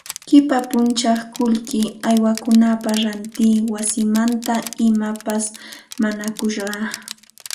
Qipa punchaw qullqi haywaykunapaq ranti wasimanta imapas mañakusqa